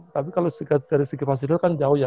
tapi kalau dari segi prosedur kan jauh ya